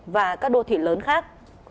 và các đô thị lớn khác